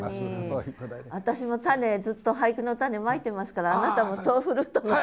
私も種ずっと俳句の種まいてますからあなたもとうふるーとの種を。